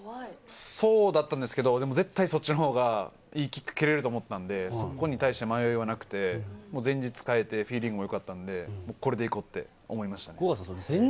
そうだったんですけれども、絶対そっちの方がいいキックを蹴れると思ったんで、そこに対して迷いはなくて、前日変えてフィーリングも良かったんで、これでいこうって思いました。